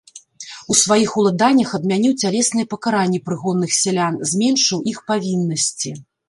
У сваіх уладаннях адмяніў цялесныя пакаранні прыгонных сялян, зменшыў іх павіннасці.